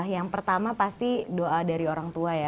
yang pertama pasti doa dari orang tua ya